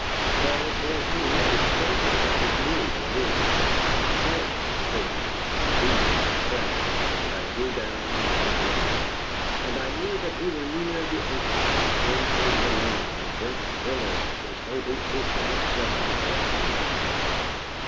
But it bore, too, a savor that was new to me, a salt savor, deep and fresh, that I drew down into my lungs. And I knew that we were near the ocean. Then came the rain, in great billows, as though the ocean itself were upon us.